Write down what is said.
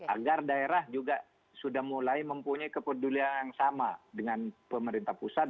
agar daerah juga sudah mulai mempunyai kepedulian yang sama dengan pemerintah pusat